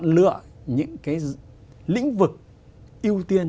lĩnh vực ưu tiên